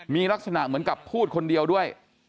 มีลักษณะเหมือนกับพูดคนเดียวด้วย